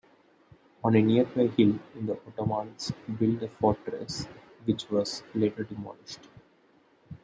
On a nearby hill the Ottomans built a fortress, which was later demolished.